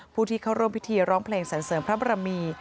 ผู้ที่เข้าร่วมพิธีร้องเพลงสรรเสริมพระบรมี